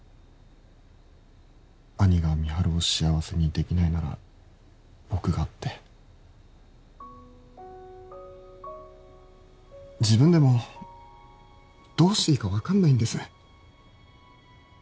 兄が美晴を幸せにできないなら僕がって自分でもどうしていいか分かんないんです